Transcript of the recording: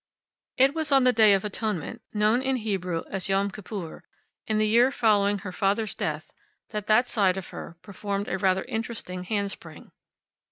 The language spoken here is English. It was on the Day of Atonement, known in the Hebrew as Yom Kippur, in the year following her father's death that that side of her performed a rather interesting handspring.